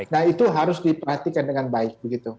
nah itu harus diperhatikan dengan baik begitu